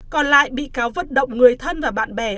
còn lại bị cáo vận động người thân và bạn bè